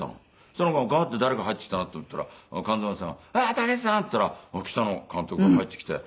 そしたらガーッて誰か入ってきたなと思ったら勘三郎さんが「武さん！」って言ったら北野監督が入ってきて。